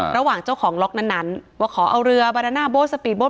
ระหว่างเจ้าของล็อกนั้นว่าขอเอาเรือบาดาน่าโบสปีดโบ๊